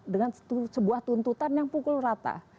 dengan sebuah tuntutan yang pukul rata